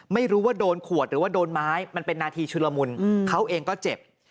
ไม่รู้ว่าโดนขวดหรือว่าโดนไม้มันเป็นนาทีชุลมุนเขาเองก็เจ็บ